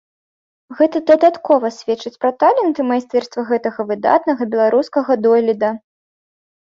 Гэта дадаткова сведчыць пра талент і майстэрства гэтага выдатнага беларускага дойліда.